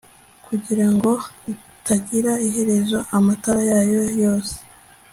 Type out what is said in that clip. Kugirango itagira iherezo amatara yayo yose